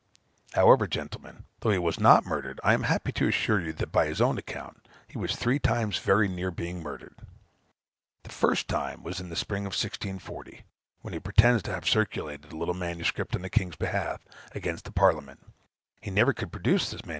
However, gentlemen, though he was not murdered, I am happy to assure you that (by his own account) he was three times very near being murdered. The first time was in the spring of 1640, when he pretends to have circulated a little MS. on the king's behalf, against the Parliament; he never could produce this MS.